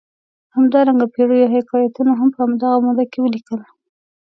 همدارنګه پېړیو حکایتونه هم په همدغه موده کې ولیکل.